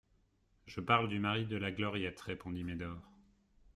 Je parle du mari de la Gloriette, répondit Médor.